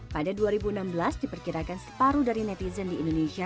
pada dua ribu enam belas diperkirakan separuh dari netizen di indonesia